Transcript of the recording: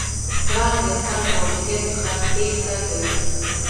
پړانګ د انسان له موجودیت څخه تېښته کوي.